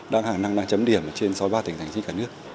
đang hàng năng đạt chấm điểm trên sáu mươi ba tỉnh hành chính cả nước